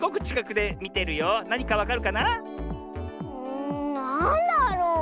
んなんだろう。